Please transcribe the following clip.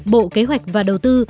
bộ kế hoạch và đầu tư